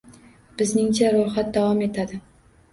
Bizningcha, ro'yxat davom etadi